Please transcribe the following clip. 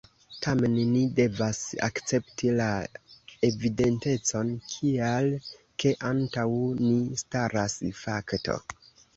Tamen ni devas akcepti la evidentecon, tial ke antaŭ ni staras fakto.